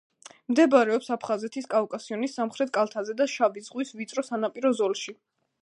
მდებარეობს აფხაზეთის კავკასიონის სამხრეთ კალთაზე და შავი ზღვის ვიწრო სანაპირო ზოლში.